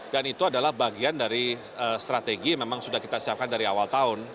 dan itu adalah bagian dari strategi memang sudah kita siapkan dari awal tahun